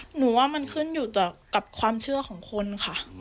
หนูว่ามันขึ้นอยู่กับความเชื่อของคนค่ะ